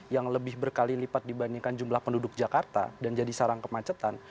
yang lebih berkali lipat dibandingkan jumlah penduduk jakarta dan jadi sarang kemacetan